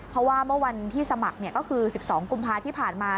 เพราะว่าเมื่อวันที่สมัครก็คือ๑๒กุมภาที่ผ่านมา